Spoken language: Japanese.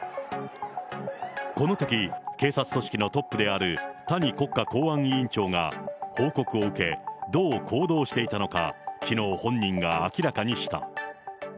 このとき、警察組織のトップである谷国家公安委員長が、報告を受け、どう行動していたのか、きのう本人が明らかにした。